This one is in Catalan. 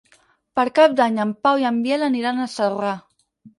Per Cap d'Any en Pau i en Biel aniran a Celrà.